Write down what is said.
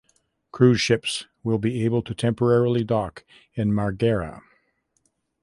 Cruise ships will be able to temporarily dock in Marghera.